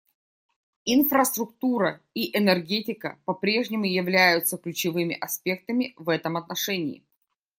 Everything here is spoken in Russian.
Инфраструктура и энергетика по-прежнему являются ключевыми аспектами в этом отношении.